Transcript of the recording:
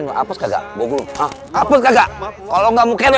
bapak anggelnya siapa bunuh diri